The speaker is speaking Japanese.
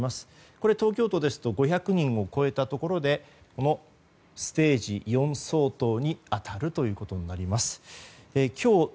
これは、東京都ですと５００人を超えたところでこのステージ４相当に当たるということになります。